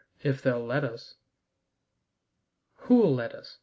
If they'll let us." "Who'll let us?